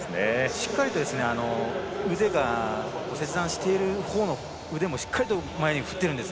しっかりと切断しているほうの腕もしっかりと前に振っているんです。